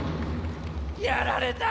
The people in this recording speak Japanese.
やられた。